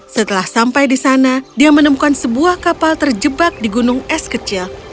setelah sampai di sana dia menemukan sebuah kapal terjebak di gunung es kecil